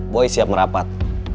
boy siap merapat